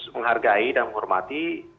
menghargai dan menghormati